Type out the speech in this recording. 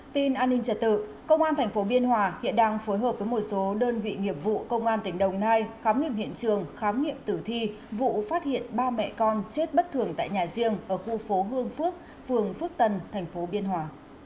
tin an ninh trả tự công an tp biên hòa hiện đang phối hợp với một số đơn vị nghiệp vụ công an tỉnh đồng nai khám nghiệm hiện trường khám nghiệm tử thi vụ phát hiện ba mẹ con chết bất thường tại nhà riêng ở khu phố hương phước phường phước tân thành phố biên hòa